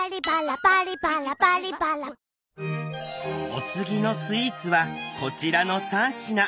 お次のスイーツはこちらの３品。